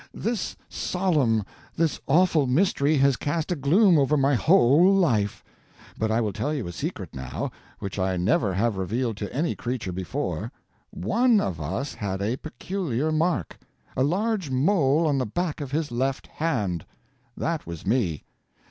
This solemn, this awful mystery has cast a gloom over my whole life. But I will tell you a secret now, which I never have revealed to any creature before. One of us had a peculiar mark a large mole on the back of his left hand; that was me.